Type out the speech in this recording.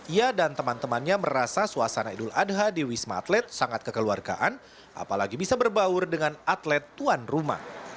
ia dan teman temannya merasa suasana idul adha di wisma atlet sangat kekeluargaan apalagi bisa berbaur dengan atlet tuan rumah